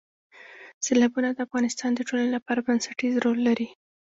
سیلابونه د افغانستان د ټولنې لپاره بنسټيز رول لري.